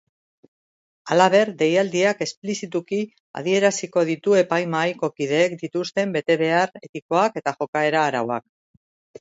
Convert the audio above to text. Halaber, deialdiak esplizituki adieraziko ditu epaimahaiko kideek dituzten betebehar etikoak eta jokaera-arauak.